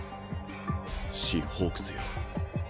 師ホークスよ